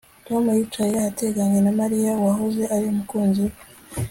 Tom yicaye ahateganye na Mariya uwahoze ari umukunzi we